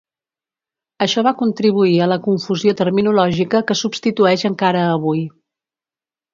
Això va contribuir a la confusió terminològica que subsisteix encara avui.